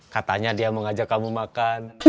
katanya dia mau ngajak kamu makan